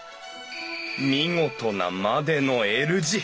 見事なまでのＬ字！